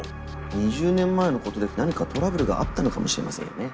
２０年前のことで何かトラブルがあったのかもしれませんよね。